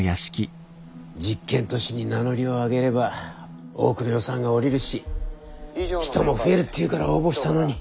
実験都市に名乗りを上げれば多くの予算がおりるし人も増えるっていうから応募したのに。